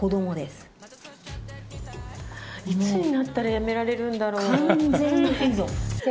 いつになったらやめられるんだろう？